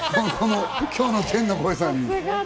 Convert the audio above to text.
今日の天の声さんに。